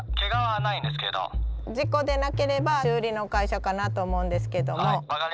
事故でなければ修理の会社かなと思うんですけども。